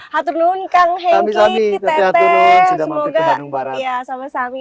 hatunun kang henki teteh